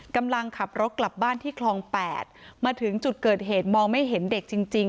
กำลังขับรถกลับบ้านที่คลองแปดมาถึงจุดเกิดเหตุมองไม่เห็นเด็กจริงจริง